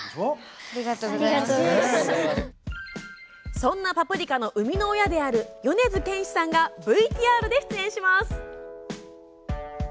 そんな「パプリカ」の生みの親である米津玄師さんがＶＴＲで出演します！